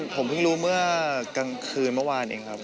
ผมเพิ่งรู้เมื่อกลางคืนเมื่อวานเองครับ